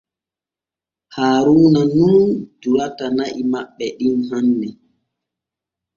Haaruuna nun durata na’i maɓɓe ɗin hanne.